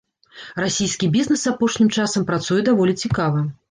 Расійскі бізнес апошнім часам працуе даволі цікава.